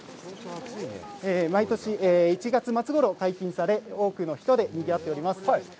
毎年１月末ごろ解禁され、多くの人でにぎわっております。